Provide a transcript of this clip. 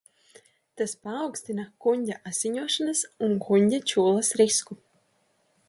Tas paaugstina kuņģa asiņošanas un kuņģa čūlas risku.